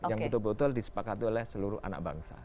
yang betul betul disepakati oleh seluruh anak bangsa